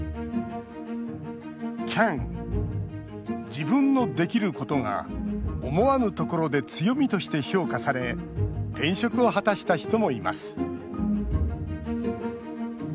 自分のできることが思わぬところで強みとして評価され転職を果たした人もいます。